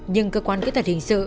nhưng cơ quan kế tật hình sự